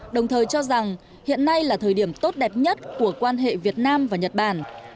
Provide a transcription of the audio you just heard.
đồng thời cho rằng hiện nay là thời điểm tốt đẹp nhất của quan hệ việt nam và nhật bản